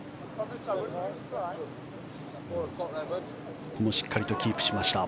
ここもしっかりとキープしました。